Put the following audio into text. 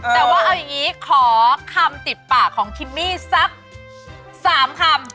แต่ว่าเอาอย่างนี้ขอคำติดปากของคิมมี่สัก๓คำ